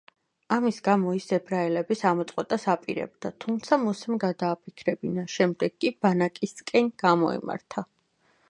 ამის გამო ის ებრაელების ამოწყვეტას აპირებდა, თუმცა მოსემ გადააფიქრებინა, შემდეგ კი ბანაკისკენ გამოემართა.